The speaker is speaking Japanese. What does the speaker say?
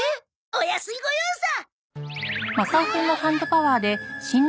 お安いご用さ！